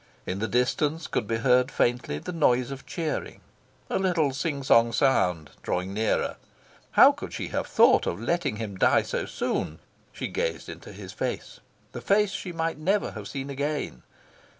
In the distance could be heard faintly the noise of cheering a little sing song sound, drawing nearer. Ah, how could she have thought of letting him die so soon? She gazed into his face the face she might never have seen again.